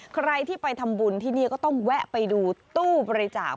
ใครที่ไปทำบุญที่นี่ก็ต้องแวะไปดูตู้บริจาค